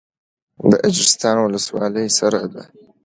د اجرستان ولسوالۍ سړه ده